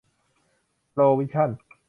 โปรวิชั่น